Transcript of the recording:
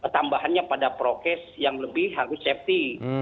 tambahannya pada prokes yang lebih harus safety